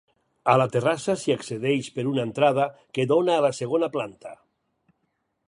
A la terrassa s'hi accedeix per una entrada que dóna a la segona planta.